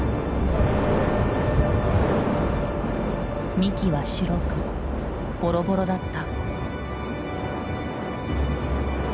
幹は白くボロボロだった。